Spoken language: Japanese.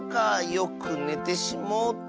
よくねてしもうた。